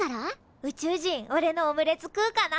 宇宙人おれのオムレツ食うかな？